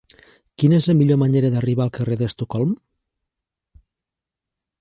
Quina és la millor manera d'arribar al carrer d'Estocolm?